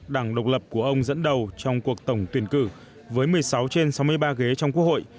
đảng độc lập của ông dẫn đầu trong cuộc tổng tuyển cử với một mươi sáu trên sáu mươi ba ghế trong quốc hội